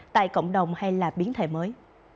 tại cộng đồng hay là biến thể mới